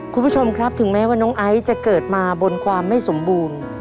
คุณผู้ชมครับถึงแม้ว่าน้องไอซ์จะเกิดมาบนความไม่สมบูรณ์